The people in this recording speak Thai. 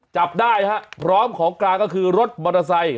จับได้ฮะพร้อมของกลางก็คือรถมอเตอร์ไซค